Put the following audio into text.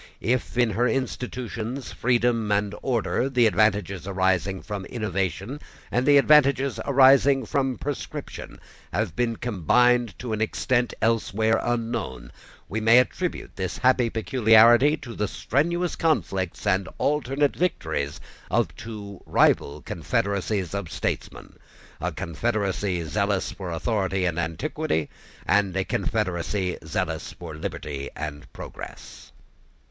If, in her institutions, freedom and order, the advantages arising from innovation and the advantages arising from prescription, have been combined to an extent elsewhere unknown, we may attribute this happy peculiarity to the strenuous conflicts and alternate victories of two rival confederacies of statesmen, a confederacy zealous for authority and antiquity, and a confederacy zealous for liberty and progress.